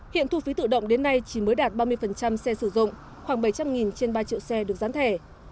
hiện thu phí tự động đến nay chỉ mới đạt ba mươi xe sử dụng khoảng bảy trăm linh trên ba triệu xe được gián thẻ